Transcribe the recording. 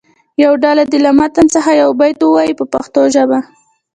یوه ډله دې له متن څخه یو بیت ووایي په پښتو ژبه.